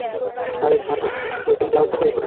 আরে ছাড় না, আংকেল ক্লান্ত হয়ে পড়েছে।